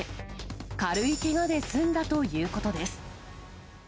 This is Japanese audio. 軽いけがで済んだということです。